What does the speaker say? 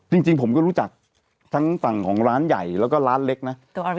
จริงผมก็รู้จักทั้งฝั่งของร้านใหญ่แล้วก็ร้านเล็กนะ